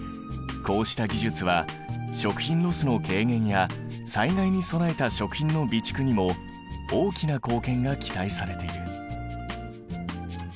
こうした技術は食品ロスの軽減や災害に備えた食品の備蓄にも大きな貢献が期待されている。